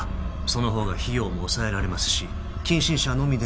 その方が費用も抑えられますし近親者のみで。